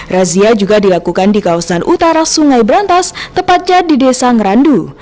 razia juga dilakukan di kawasan utara sungai berantas tepatnya di desa ngerandu